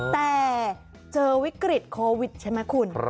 แต่เจอวิกฤตโควิดใช่ไหมคุณ